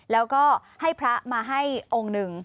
แล้วก็ให้พระมาให้องค์หนึ่ง